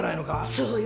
そうよ！